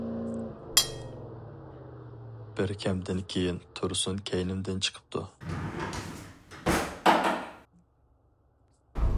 بىر كەمدىن كىيىن تۇرسۇن كەينىمدىن چىقىپتۇ.